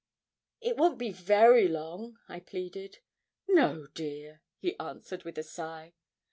'It won't be very long,' I pleaded. 'No, dear,' he answered with a sigh.